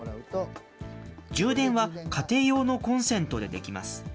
充電は家庭用のコンセントでできます。